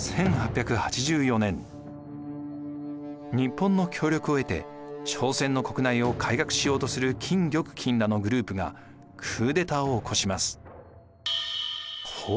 日本の協力を得て朝鮮の国内を改革しようとする金玉均らのグループがクーデターを起こします。